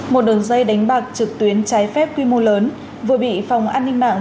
một đường dây đánh bạc trực tuyến trái phép quy mô lớn vừa bị phòng an ninh mạng